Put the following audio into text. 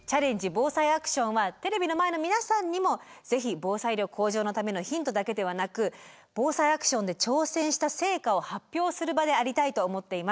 ＢＯＳＡＩアクション」はテレビの前の皆さんにも是非防災力向上のためのヒントだけではなくＢＯＳＡＩアクションで挑戦した成果を発表する場でありたいと思っています。